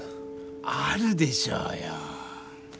あるでしょうよ。